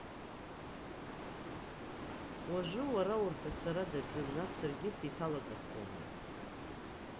Уажәы уара урҳәацәара даҿын, нас саргьы сеиҭалагахуама?